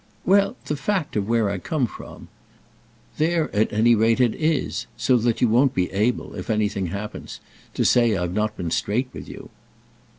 "Well, the fact of where I come from. There at any rate it is; so that you won't be able, if anything happens, to say I've not been straight with you."